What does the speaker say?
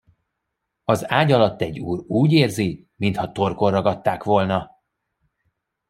Az ágy alatt egy úr úgy érzi, mintha torkon ragadták volna.